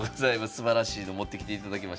すばらしいの持ってきていただきました。